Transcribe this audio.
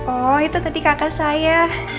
oh itu tadi kakak saya